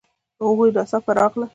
هغوی ناڅاپه راغلل